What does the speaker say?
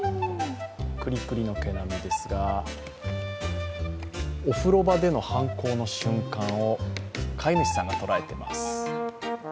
くりくりの毛並みですがお風呂場での犯行の瞬間を飼い主さんが捉えています。